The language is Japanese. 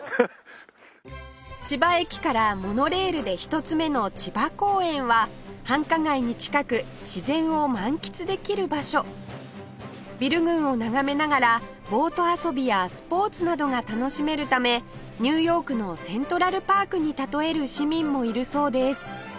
千葉駅からモノレールで１つ目の千葉公園は繁華街に近く自然を満喫できる場所ビル群を眺めながらボート遊びやスポーツなどが楽しめるためニューヨークのセントラルパークに例える市民もいるそうです